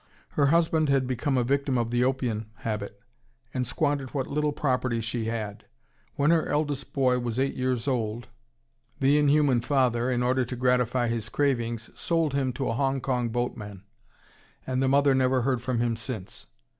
Her husband had become a victim of the opium habit, and squandered what little property she had. When her eldest boy was eight years old, the inhuman father, in order to gratify his cravings, sold him to a Hong Kong boatman, and the mother never heard from him since.